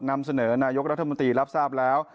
นำเสนอนายกรัฐมนตรีรับทราบแล้ว